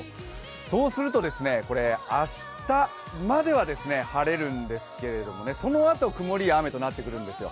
そうすると、明日までは晴れるんですけれども、そのあと曇りや雨となってくるんですよ。